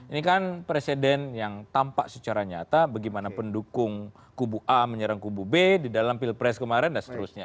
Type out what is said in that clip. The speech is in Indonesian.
ini kan presiden yang tampak secara nyata bagaimana pendukung kubu a menyerang kubu b di dalam pilpres kemarin dan seterusnya